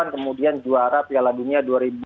kemudian juara piala dunia dua ribu sepuluh